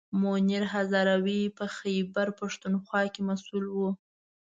منیر هزاروي په خیبر پښتونخوا کې مسوول و.